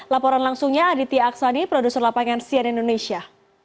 laporan langsungnya aditya aksani produser lapangan sian indonesia